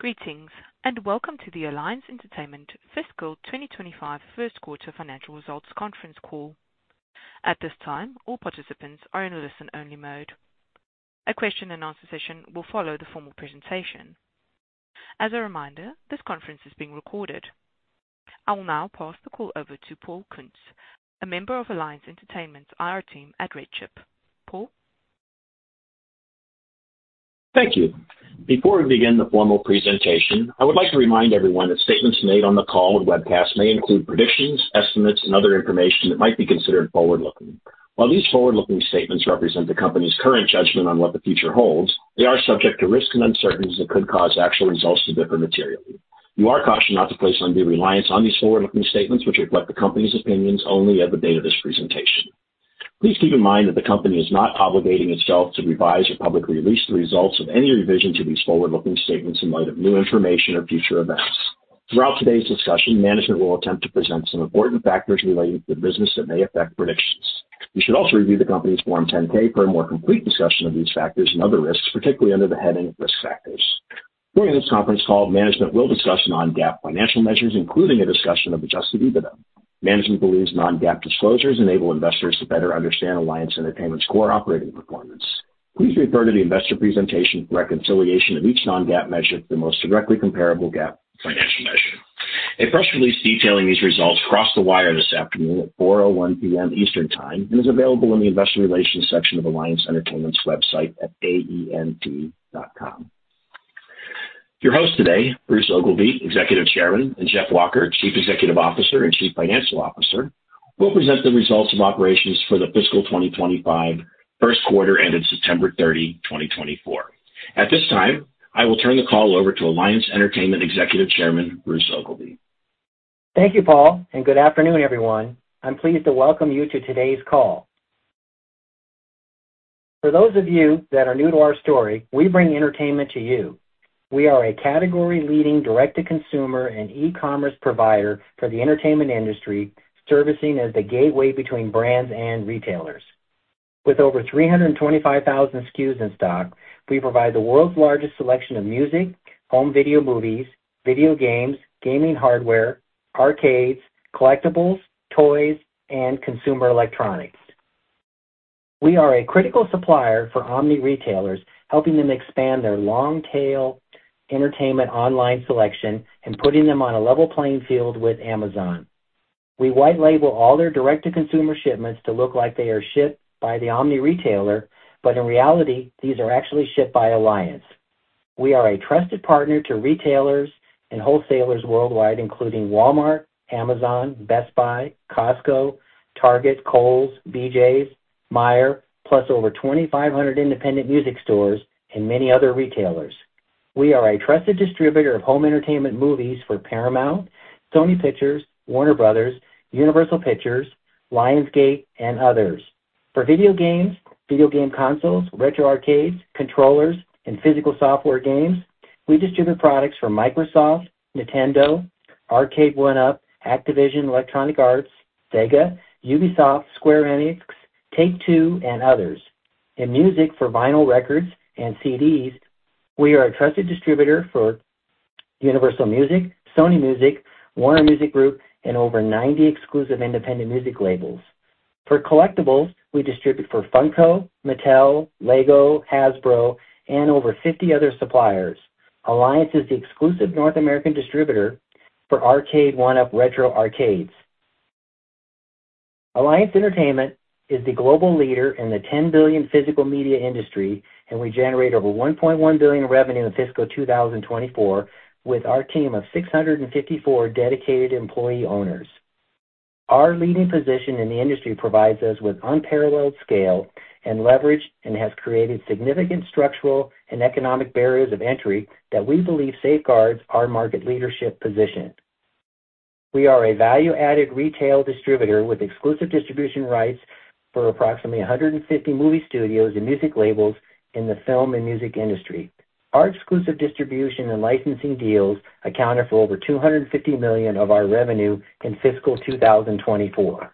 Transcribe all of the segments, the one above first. Greetings and welcome to the Alliance Entertainment Fiscal 2025 First Quarter Financial Results Conference call. At this time, all participants are in listen-only mode. A question-and-answer session will follow the formal presentation. As a reminder, this conference is being recorded. I will now pass the call over to Paul Kuntz, a member of Alliance Entertainment's IR team at RedChip. Paul? Thank you. Before we begin the formal presentation, I would like to remind everyone that statements made on the call and webcast may include predictions, estimates, and other information that might be considered forward-looking. While these forward-looking statements represent the company's current judgment on what the future holds, they are subject to risks and uncertainties that could cause actual results to differ materially. You are cautioned not to place undue reliance on these forward-looking statements, which reflect the company's opinions only at the date of this presentation. Please keep in mind that the company is not obligating itself to revise or publicly release the results of any revision to these forward-looking statements in light of new information or future events. Throughout today's discussion, management will attempt to present some important factors relating to the business that may affect predictions. You should also review the company's Form 10-K for a more complete discussion of these factors and other risks, particularly under the heading of risk factors. During this conference call, management will discuss non-GAAP financial measures, including a discussion of Adjusted EBITDA. Management believes non-GAAP disclosures enable investors to better understand Alliance Entertainment's core operating performance. Please refer to the investor presentation for reconciliation of each non-GAAP measure for the most directly comparable GAAP financial measure. A press release detailing these results crossed the wire this afternoon at 4:01 P.M. Eastern Time and is available in the investor relations section of Alliance Entertainment's website at aent.com. Your hosts today, Bruce Ogilvie, Executive Chairman, and Jeff Walker, Chief Executive Officer and Chief Financial Officer, will present the results of operations for the fiscal 2025 first quarter ended September 30, 2024. At this time, I will turn the call over to Alliance Entertainment Executive Chairman, Bruce Ogilvie. Thank you, Paul, and good afternoon, everyone. I'm pleased to welcome you to today's call. For those of you that are new to our story, we bring entertainment to you. We are a category-leading direct-to-consumer and e-commerce provider for the entertainment industry, servicing as the gateway between brands and retailers. With over 325,000 SKUs in stock, we provide the world's largest selection of music, home video movies, video games, gaming hardware, arcades, collectibles, toys, and consumer electronics. We are a critical supplier for omni-retailers, helping them expand their long-tail entertainment online selection and putting them on a level playing field with Amazon. We white-label all their direct-to-consumer shipments to look like they are shipped by the omni-retailer, but in reality, these are actually shipped by Alliance. We are a trusted partner to retailers and wholesalers worldwide, including Walmart, Amazon, Best Buy, Costco, Target, Kohl's, BJ's, Meijer, plus over 2,500 independent music stores and many other retailers. We are a trusted distributor of home entertainment movies for Paramount, Sony Pictures, Warner Bros., Universal Pictures, Lionsgate, and others. For video games, video game consoles, retro arcades, controllers, and physical software games, we distribute products for Microsoft, Nintendo, Arcade1Up, Activision, Electronic Arts, Sega, Ubisoft, Square Enix, Take-Two, and others. In music for vinyl records and CDs, we are a trusted distributor for Universal Music, Sony Music, Warner Music Group, and over 90 exclusive independent music labels. For collectibles, we distribute for Funko, Mattel, LEGO, Hasbro, and over 50 other suppliers. Alliance is the exclusive North American distributor for Arcade1Up retro arcades. Alliance Entertainment is the global leader in the $10 billion physical media industry, and we generate over $1.1 billion revenue in the fiscal 2024 with our team of 654 dedicated employee owners. Our leading position in the industry provides us with unparalleled scale and leverage and has created significant structural and economic barriers of entry that we believe safeguards our market leadership position. We are a value-added retail distributor with exclusive distribution rights for approximately 150 movie studios and music labels in the film and music industry. Our exclusive distribution and licensing deals accounted for over $250 million of our revenue in fiscal 2024.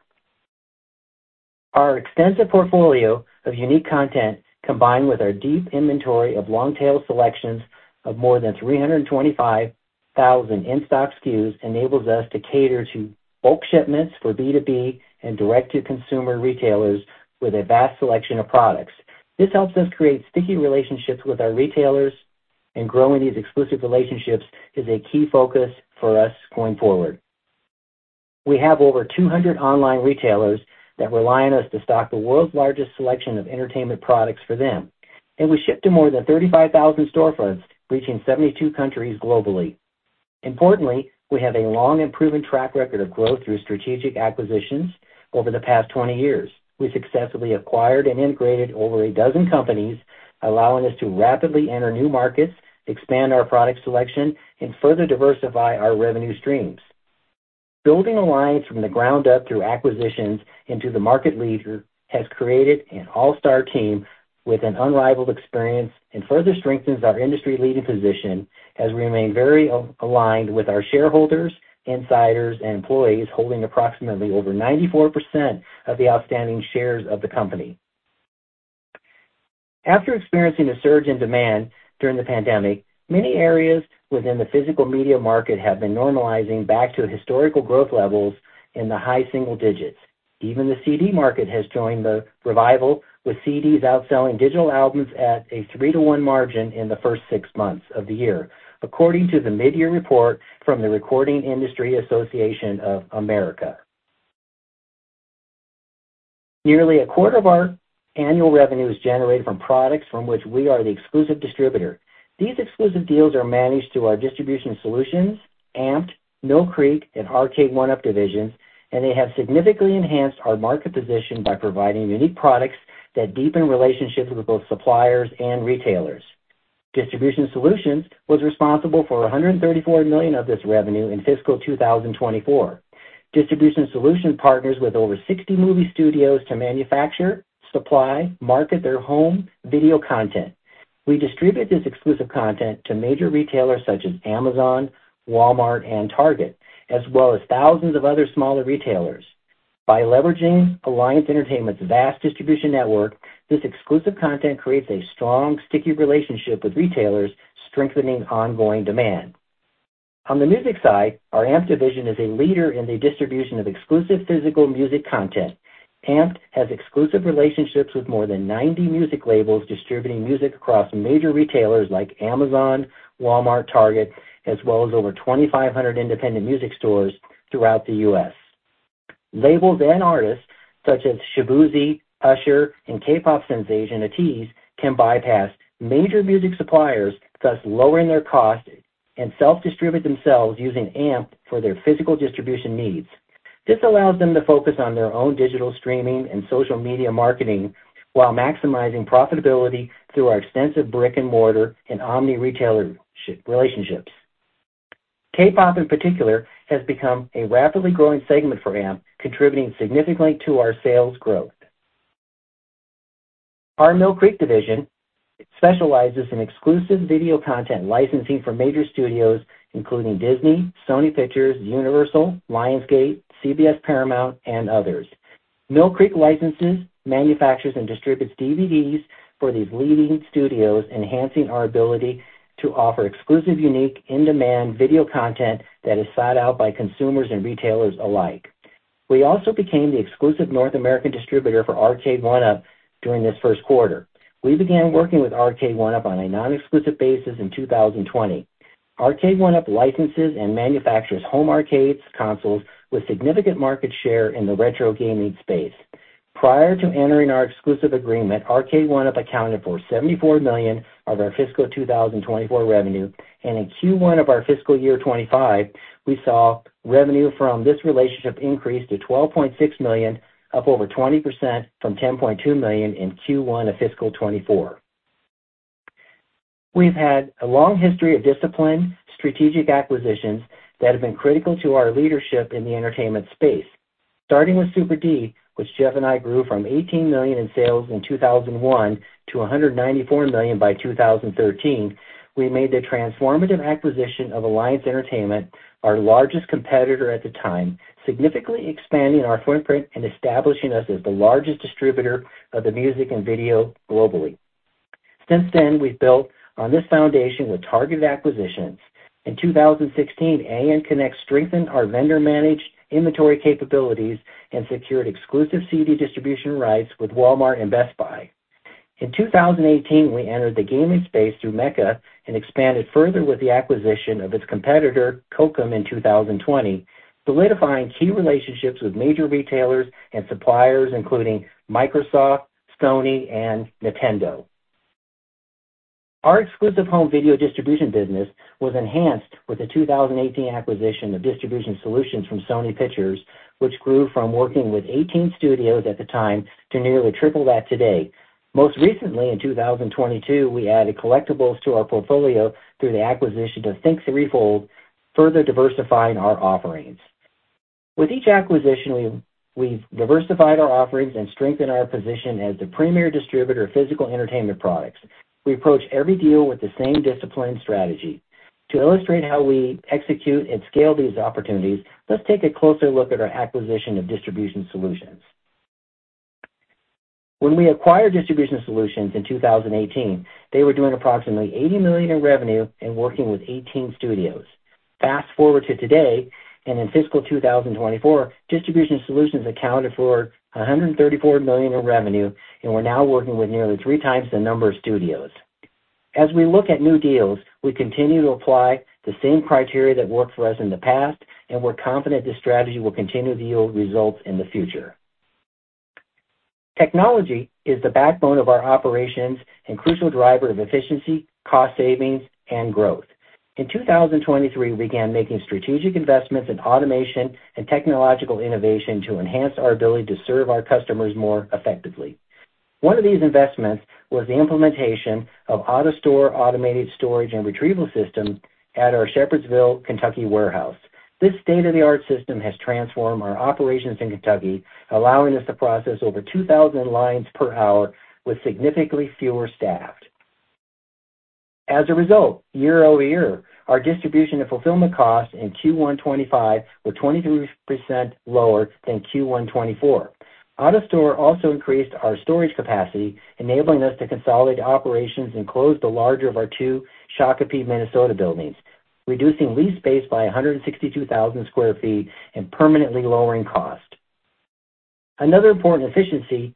Our extensive portfolio of unique content, combined with our deep inventory of long-tail selections of more than 325,000 in-stock SKUs, enables us to cater to bulk shipments for B2B and direct-to-consumer retailers with a vast selection of products. This helps us create sticky relationships with our retailers, and growing these exclusive relationships is a key focus for us going forward. We have over 200 online retailers that rely on us to stock the world's largest selection of entertainment products for them, and we ship to more than 35,000 storefronts, reaching 72 countries globally. Importantly, we have a long and proven track record of growth through strategic acquisitions over the past 20 years. We successfully acquired and integrated over a dozen companies, allowing us to rapidly enter new markets, expand our product selection, and further diversify our revenue streams. Building Alliance from the ground up through acquisitions into the market leader has created an all-star team with an unrivaled experience and further strengthens our industry-leading position as we remain very aligned with our shareholders, insiders, and employees holding approximately over 94% of the outstanding shares of the company. After experiencing a surge in demand during the pandemic, many areas within the physical media market have been normalizing back to historical growth levels in the high single digits. Even the CD market has joined the revival, with CDs outselling digital albums at a 3:1 margin in the first six months of the year, according to the mid-year report from the Recording Industry Association of America. Nearly a quarter of our annual revenue is generated from products from which we are the exclusive distributor. These exclusive deals are managed through our Distribution Solutions, AMPED, Mill Creek, and Arcade1Up divisions, and they have significantly enhanced our market position by providing unique products that deepen relationships with both suppliers and retailers. Distribution Solutions was responsible for $134 million of this revenue in fiscal 2024. Distribution Solutions partners with over 60 movie studios to manufacture, supply, and market their home video content. We distribute this exclusive content to major retailers such as Amazon, Walmart, and Target, as well as thousands of other smaller retailers. By leveraging Alliance Entertainment's vast distribution network, this exclusive content creates a strong, sticky relationship with retailers, strengthening ongoing demand. On the music side, our AMPED division is a leader in the distribution of exclusive physical music content. AMPED has exclusive relationships with more than 90 music labels distributing music across major retailers like Amazon, Walmart, and Target, as well as over 2,500 independent music stores throughout the U.S. Labels and artists such as Shaboozey, Usher, and K-pop sensation ATEEZ can bypass major music suppliers, thus lowering their cost and self-distribute themselves using AMPED for their physical distribution needs. This allows them to focus on their own digital streaming and social media marketing while maximizing profitability through our extensive brick-and-mortar and omni-retail relationships. K-pop, in particular, has become a rapidly growing segment for AMPED, contributing significantly to our sales growth. Our Mill Creek division specializes in exclusive video content licensing for major studios including Disney, Sony Pictures, Universal, Lionsgate, CBS Paramount, and others. Mill Creek licenses, manufactures, and distributes DVDs for these leading studios, enhancing our ability to offer exclusive, unique, in-demand video content that is sought out by consumers and retailers alike. We also became the exclusive North American distributor for Arcade1Up during this first quarter. We began working with Arcade1Up on a non-exclusive basis in 2020. Arcade1Up licenses and manufactures home arcades, consoles with significant market share in the retro gaming space. Prior to entering our exclusive agreement, Arcade1Up accounted for $74 million of our fiscal 2024 revenue, and in Q1 of our fiscal year 2025, we saw revenue from this relationship increase to $12.6 million, up over 20% from $10.2 million in Q1 of fiscal 2024. We've had a long history of disciplined strategic acquisitions that have been critical to our leadership in the entertainment space. Starting with Super D, which Jeff and I grew from $18 million in sales in 2001 to $194 million by 2013, we made the transformative acquisition of Alliance Entertainment, our largest competitor at the time, significantly expanding our footprint and establishing us as the largest distributor of the music and video globally. Since then, we've built on this foundation with targeted acquisitions. In 2016, ANconnect strengthened our vendor-managed inventory capabilities and secured exclusive CD distribution rights with Walmart and Best Buy. In 2018, we entered the gaming space through Mecca and expanded further with the acquisition of its competitor, Cokem, in 2020, solidifying key relationships with major retailers and suppliers including Microsoft, Sony, and Nintendo. Our exclusive home video distribution business was enhanced with the 2018 acquisition of Distribution Solutions from Sony Pictures, which grew from working with 18 studios at the time to nearly triple that today. Most recently, in 2022, we added collectibles to our portfolio through the acquisition of Think3Fold, further diversifying our offerings. With each acquisition, we've diversified our offerings and strengthened our position as the premier distributor of physical entertainment products. We approach every deal with the same discipline strategy. To illustrate how we execute and scale these opportunities, let's take a closer look at our acquisition of Distribution Solutions. When we acquired Distribution Solutions in 2018, they were doing approximately $80 million in revenue and working with 18 studios. Fast forward to today, and in fiscal 2024, Distribution Solutions accounted for $134 million in revenue and we're now working with nearly three times the number of studios. As we look at new deals, we continue to apply the same criteria that worked for us in the past, and we're confident this strategy will continue to yield results in the future. Technology is the backbone of our operations and a crucial driver of efficiency, cost savings, and growth. In 2023, we began making strategic investments in automation and technological innovation to enhance our ability to serve our customers more effectively. One of these investments was the implementation of AutoStore automated storage and retrieval System at our Shepherdsville, Kentucky warehouse. This state-of-the-art system has transformed our operations in Kentucky, allowing us to process over 2,000 lines per hour with significantly fewer staff. As a result, year over year, our distribution and fulfillment costs in Q1 2025 were 23% lower than Q1 2024. AutoStore also increased our storage capacity, enabling us to consolidate operations and close the larger of our two Shakopee, Minnesota buildings, reducing lease space by 162,000 sq ft and permanently lowering cost. Another important efficiency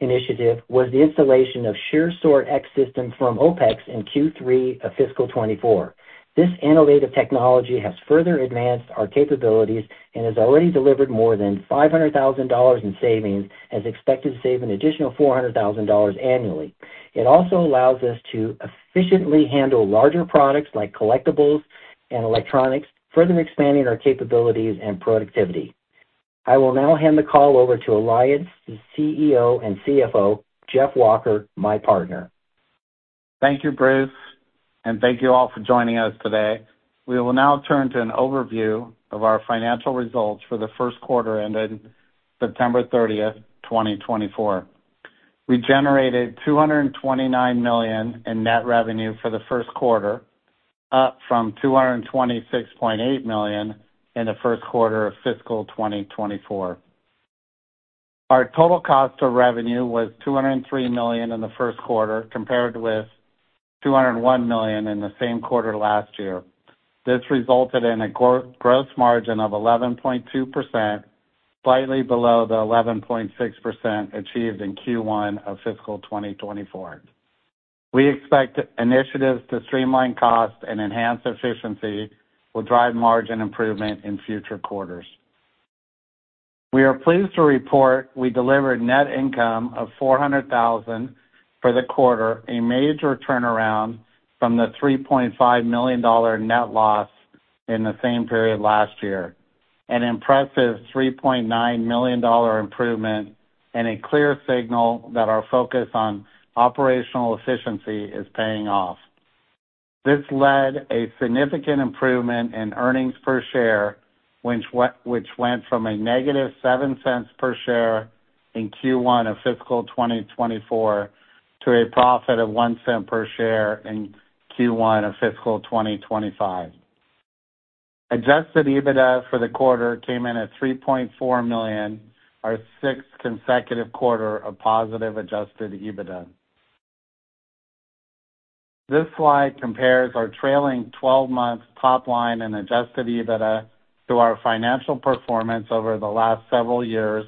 initiative was the installation of Sure Sort X system from OPEX in Q3 of fiscal 2024. This innovative technology has further advanced our capabilities and has already delivered more than $500,000 in savings, as expected to save an additional $400,000 annually. It also allows us to efficiently handle larger products like collectibles and electronics, further expanding our capabilities and productivity. I will now hand the call over to Alliance CEO and CFO, Jeff Walker, my partner. Thank you, Bruce, and thank you all for joining us today. We will now turn to an overview of our financial results for the first quarter ended September 30, 2024. We generated $229 million in net revenue for the first quarter, up from $226.8 million in the first quarter of fiscal 2024. Our total cost of revenue was $203 million in the first quarter, compared with $201 million in the same quarter last year. This resulted in a gross margin of 11.2%, slightly below the 11.6% achieved in Q1 of fiscal 2024. We expect initiatives to streamline costs and enhance efficiency will drive margin improvement in future quarters. We are pleased to report we delivered net income of $400,000 for the quarter, a major turnaround from the $3.5 million net loss in the same period last year, an impressive $3.9 million improvement, and a clear signal that our focus on operational efficiency is paying off. This led to a significant improvement in earnings per share, which went from a negative $0.07 per share in Q1 of fiscal 2024 to a profit of $0.01 per share in Q1 of fiscal 2025. Adjusted EBITDA for the quarter came in at $3.4 million, our sixth consecutive quarter of positive adjusted EBITDA. This slide compares our trailing 12-month top line and adjusted EBITDA to our financial performance over the last several years,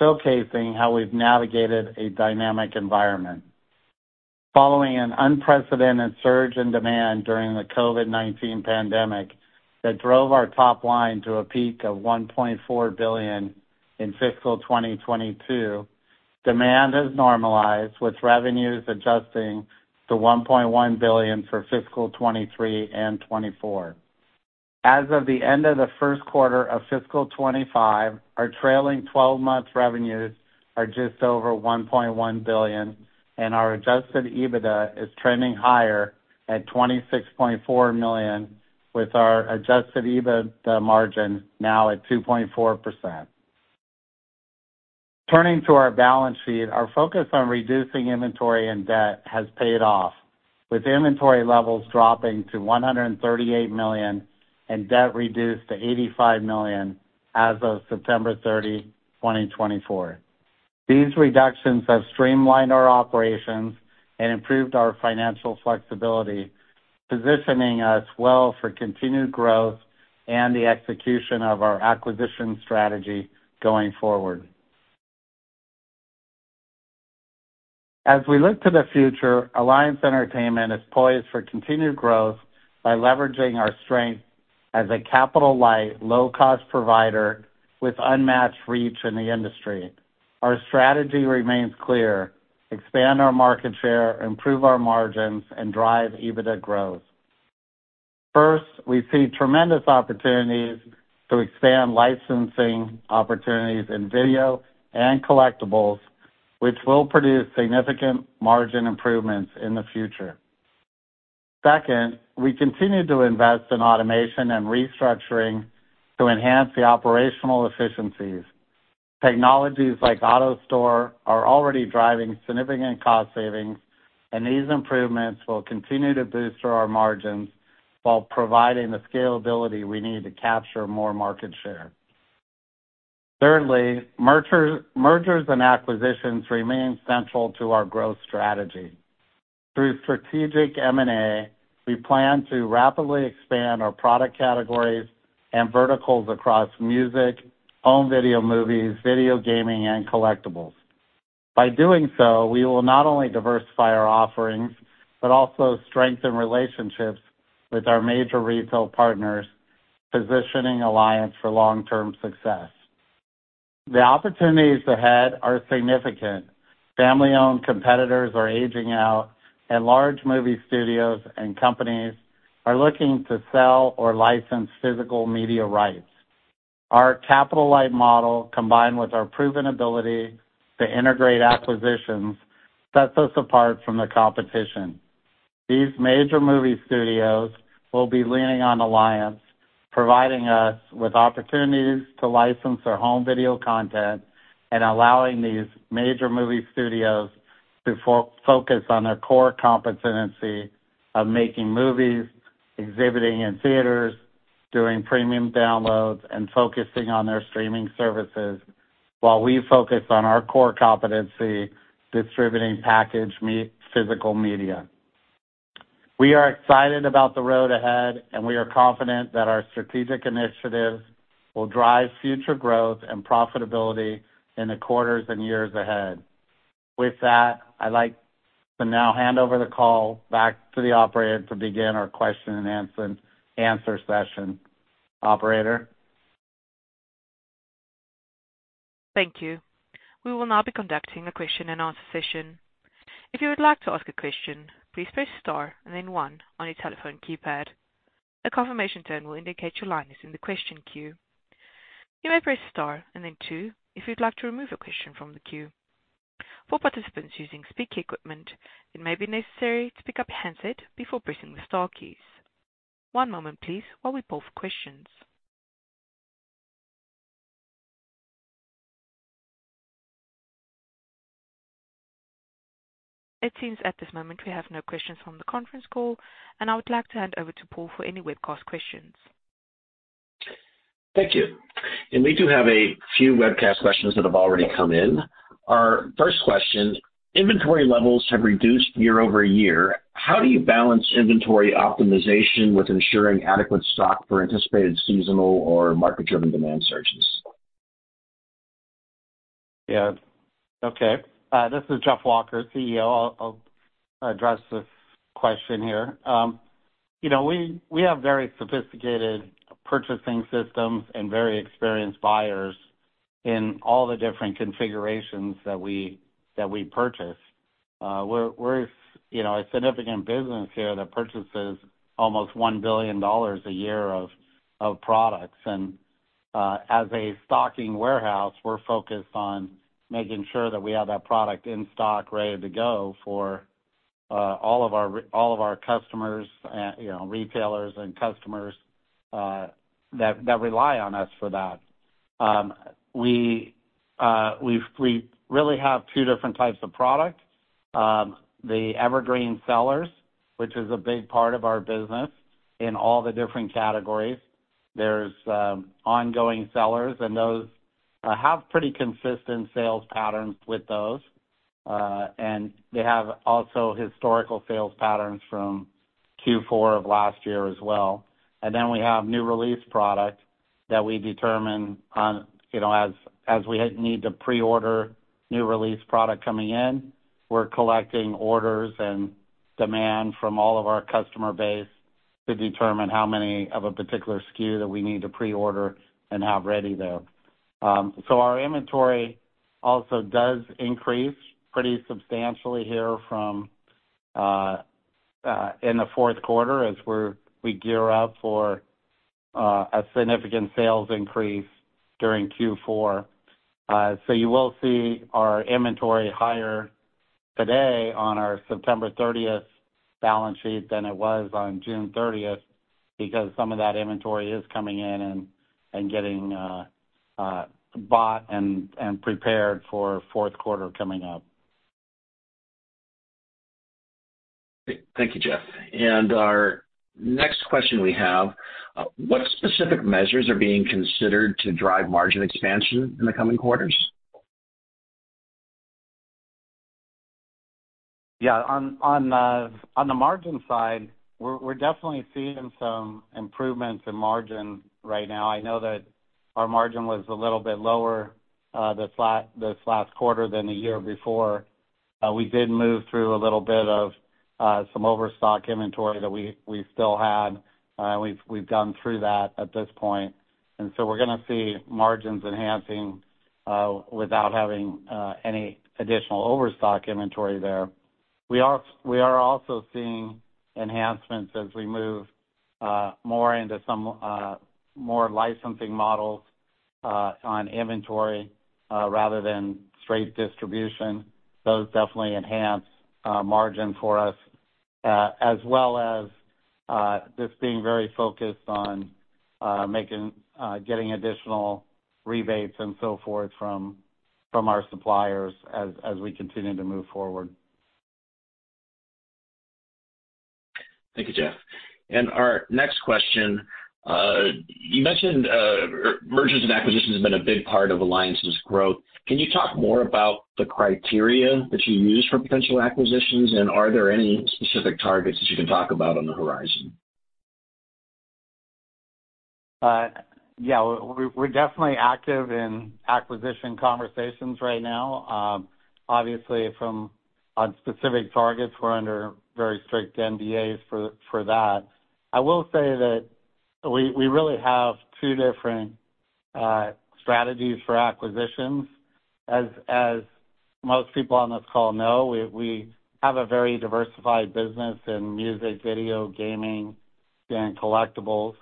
showcasing how we've navigated a dynamic environment. Following an unprecedented surge in demand during the COVID-19 pandemic that drove our top line to a peak of $1.4 billion in fiscal 2022, demand has normalized, with revenues adjusting to $1.1 billion for fiscal 2023 and 2024. As of the end of the first quarter of fiscal 2025, our trailing 12-month revenues are just over $1.1 billion, and our adjusted EBITDA is trending higher at $26.4 million, with our adjusted EBITDA margin now at 2.4%. Turning to our balance sheet, our focus on reducing inventory and debt has paid off, with inventory levels dropping to $138 million and debt reduced to $85 million as of September 30, 2024. These reductions have streamlined our operations and improved our financial flexibility, positioning us well for continued growth and the execution of our acquisition strategy going forward. As we look to the future, Alliance Entertainment is poised for continued growth by leveraging our strength as a capital-light, low-cost provider with unmatched reach in the industry. Our strategy remains clear: expand our market share, improve our margins, and drive EBITDA growth. First, we see tremendous opportunities to expand licensing opportunities in video and collectibles, which will produce significant margin improvements in the future. Second, we continue to invest in automation and restructuring to enhance the operational efficiencies. Technologies like AutoStore are already driving significant cost savings, and these improvements will continue to boost our margins while providing the scalability we need to capture more market share. Thirdly, mergers and acquisitions remain central to our growth strategy. Through strategic M&A, we plan to rapidly expand our product categories and verticals across music, home video movies, video gaming, and collectibles. By doing so, we will not only diversify our offerings but also strengthen relationships with our major retail partners, positioning Alliance for long-term success. The opportunities ahead are significant. Family-owned competitors are aging out, and large movie studios and companies are looking to sell or license physical media rights. Our capital-light model, combined with our proven ability to integrate acquisitions, sets us apart from the competition. These major movie studios will be leaning on Alliance, providing us with opportunities to license their home video content and allowing these major movie studios to focus on their core competency of making movies, exhibiting in theaters, doing premium downloads, and focusing on their streaming services, while we focus on our core competency distributing packaged physical media. We are excited about the road ahead, and we are confident that our strategic initiatives will drive future growth and profitability in the quarters and years ahead. With that, I'd like to now hand over the call back to the operator to begin our question and answer session. Operator. Thank you. We will now be conducting a question and answer session. If you would like to ask a question, please press Star and then 1 on your telephone keypad. A confirmation tone will indicate your line is in the question queue. You may press Star and then 2 if you'd like to remove a question from the queue. For participants using speaker equipment, it may be necessary to pick up your handset before pressing the Star keys. One moment, please, while we poll for questions. It seems at this moment we have no questions from the conference call, and I would like to hand over to Paul for any webcast questions. Thank you. And we do have a few webcast questions that have already come in. Our first question: Inventory levels have reduced year over year. How do you balance inventory optimization with ensuring adequate stock for anticipated seasonal or market-driven demand surges? Yeah. Okay. This is Jeff Walker, CEO. I'll address the question here. We have very sophisticated purchasing systems and very experienced buyers in all the different configurations that we purchase. We're a significant business here that purchases almost $1 billion a year of products. And as a stocking warehouse, we're focused on making sure that we have that product in stock, ready to go for all of our customers, retailers, and customers that rely on us for that. We really have two different types of product: the evergreen sellers, which is a big part of our business in all the different categories. There's ongoing sellers, and those have pretty consistent sales patterns with those. They have also historical sales patterns from Q4 of last year as well. Then we have new release product that we determine as we need to pre-order new release product coming in. We're collecting orders and demand from all of our customer base to determine how many of a particular SKU that we need to pre-order and have ready there. So our inventory also does increase pretty substantially here in the fourth quarter as we gear up for a significant sales increase during Q4. So you will see our inventory higher today on our September 30 balance sheet than it was on June 30 because some of that inventory is coming in and getting bought and prepared for fourth quarter coming up. Thank you, Jeff. Our next question we have: What specific measures are being considered to drive margin expansion in the coming quarters? Yeah. On the margin side, we're definitely seeing some improvements in margin right now. I know that our margin was a little bit lower this last quarter than the year before. We did move through a little bit of some overstock inventory that we still had, and we've gone through that at this point. And so we're going to see margins enhancing without having any additional overstock inventory there. We are also seeing enhancements as we move more into some more licensing models on inventory rather than straight distribution. Those definitely enhance margin for us, as well as just being very focused on getting additional rebates and so forth from our suppliers as we continue to move forward. Thank you, Jeff. And our next question: You mentioned mergers and acquisitions have been a big part of Alliance's growth. Can you talk more about the criteria that you use for potential acquisitions, and are there any specific targets that you can talk about on the horizon? Yeah. We're definitely active in acquisition conversations right now. Obviously, on specific targets, we're under very strict NDAs for that. I will say that we really have two different strategies for acquisitions. As most people on this call know, we have a very diversified business in music, video, gaming, and collectibles.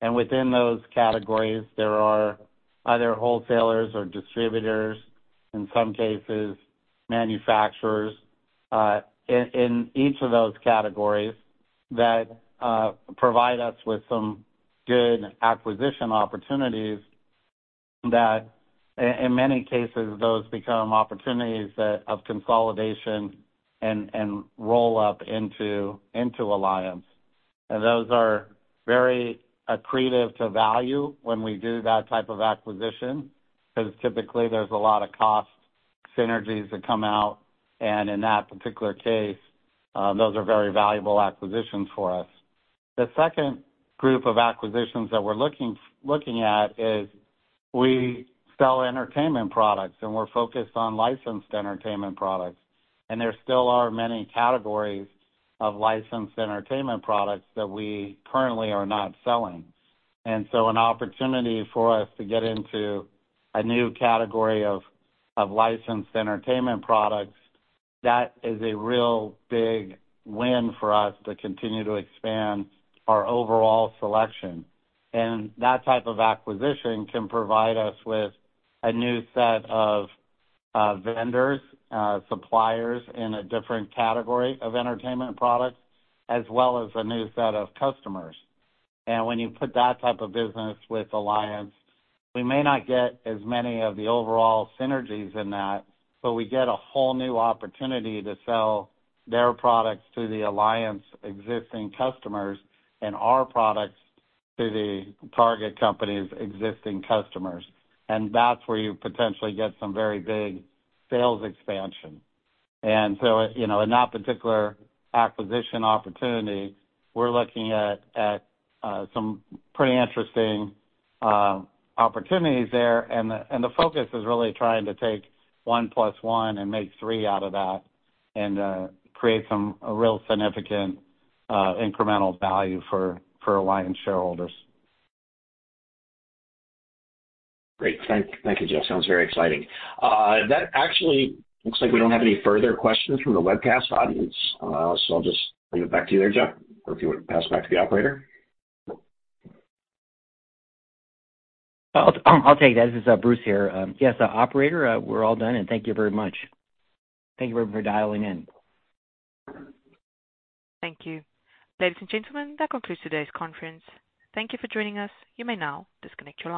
And within those categories, there are either wholesalers or distributors, in some cases manufacturers, in each of those categories that provide us with some good acquisition opportunities that, in many cases, those become opportunities of consolidation and roll-up into Alliance. And those are very accretive to value when we do that type of acquisition because typically there's a lot of cost synergies that come out. And in that particular case, those are very valuable acquisitions for us. The second group of acquisitions that we're looking at is we sell entertainment products, and we're focused on licensed entertainment products. And there still are many categories of licensed entertainment products that we currently are not selling. And so an opportunity for us to get into a new category of licensed entertainment products, that is a real big win for us to continue to expand our overall selection. And that type of acquisition can provide us with a new set of vendors, suppliers in a different category of entertainment products, as well as a new set of customers. And when you put that type of business with Alliance, we may not get as many of the overall synergies in that, but we get a whole new opportunity to sell their products to the Alliance existing customers and our products to the target company's existing customers. And that's where you potentially get some very big sales expansion. And so in that particular acquisition opportunity, we're looking at some pretty interesting opportunities there. And the focus is really trying to take one plus one and make three out of that and create some real significant incremental value for Alliance shareholders. Great. Thank you, Jeff. Sounds very exciting. That actually looks like we don't have any further questions from the webcast audience. So I'll just bring it back to you there, Jeff, or if you would pass it back to the operator. I'll take that. This is Bruce here. Yes, Operator, we're all done, and thank you very much. Thank you everyone for dialing in. Thank you. Ladies and gentlemen, that concludes today's conference. Thank you for joining us. You may now disconnect your.